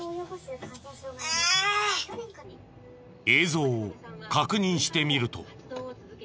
映像を確認してみると。